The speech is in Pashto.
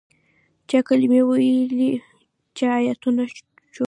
چا کلمې ویلې چا آیتونه چوفول.